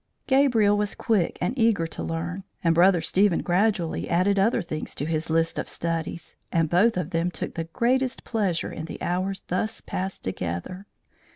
Gabriel was quick and eager to learn, and Brother Stephen gradually added other things to his list of studies, and both of them took the greatest pleasure in the hours thus passed together.